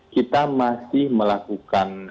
kita masih melakukan